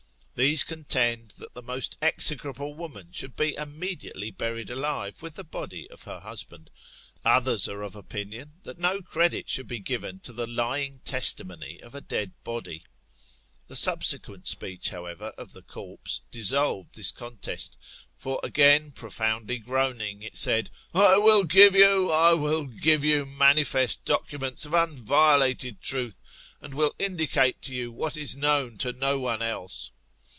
These contend that the most execrable woman should be immediately buried alive, with the body of her' husband. Others are of opinion, that no credit should be given to the lying testimony of a dead body. The subsequent speech, however, of the corpse, dissolved this contest ; for, again profoundly groaning, it said, I will give you, I will give you manifest documents of unviolated truth, and will indicate to you what is knownf to no one else.